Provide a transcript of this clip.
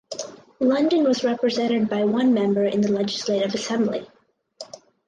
London was represented by one member in the Legislative Assembly.